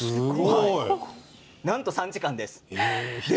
なんと３時間です。